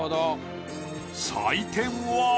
採点は。